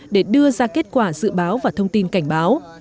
để đưa ra kết quả dự báo và thông tin cảnh báo